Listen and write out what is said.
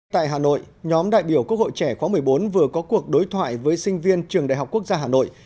tại hà nội nhóm đại biểu quốc hội trẻ khóa một mươi bốn vừa có cuộc đối thoại với sinh viên trường đại học quốc gia hà nội